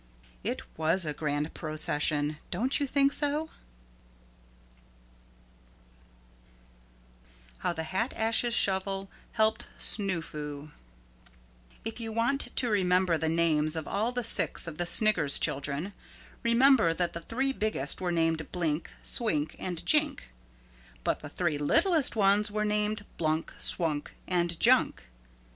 It was a grand procession, don't you think so? How the Hat Ashes Shovel Helped Snoo Foo If you want to remember the names of all six of the Sniggers children, remember that the three biggest were named Blink, Swink and Jink but the three littlest ones were named Blunk, Swunk and Junk.